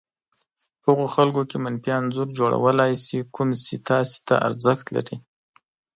په هغو خلکو کې منفي انځور جوړولای شي کوم چې تاسې ته ارزښت لري.